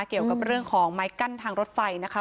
เกี่ยวกับเรื่องของไม้กั้นทางรถไฟนะคะ